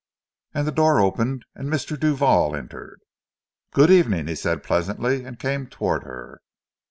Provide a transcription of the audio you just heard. And the door opened, and Mr. Duval entered. "Good evening," he said pleasantly, and came toward her.